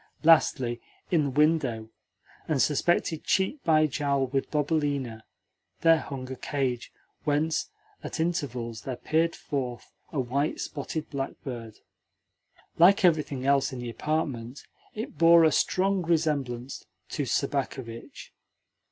Lastly, in the window, and suspended cheek by jowl with Bobelina, there hung a cage whence at intervals there peered forth a white spotted blackbird. Like everything else in the apartment, it bore a strong resemblance to Sobakevitch.